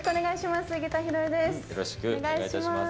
よろしくお願いします。